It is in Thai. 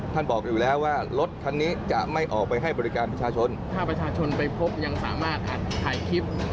บอกอยู่แล้วว่ารถคันนี้จะไม่ออกไปให้บริการประชาชนถ้าประชาชนไปพบยังสามารถอัดถ่ายคลิป